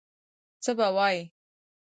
څه به وایي.